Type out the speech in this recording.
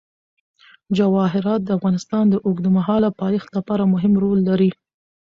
جواهرات د افغانستان د اوږدمهاله پایښت لپاره مهم رول لري.